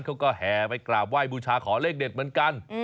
แห่ไปกราบไหว้บูชาขอเลขเด็ดเหมือนกัน